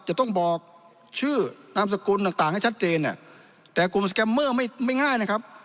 จะต้องบอกชื่อนามสกุลต่างต่างให้ชัดเจนแต่กลุ่มสแกมเมอร์ไม่ไม่ง่ายนะครับ